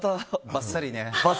ばっさりね。